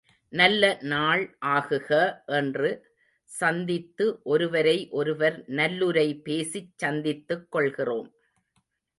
நல்ல நாள் ஆகுக என்று சந்தித்து ஒருவரை ஒருவர் நல்லுரை பேசிச் சந்தித்துக்கொள்கிறோம்.